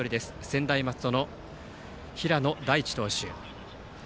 専大松戸の平野大地投手。